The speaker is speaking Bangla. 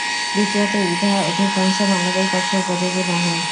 দ্বিতীয়ত ইহা অধিকাংশ মানবের পক্ষে উপযোগী নহে।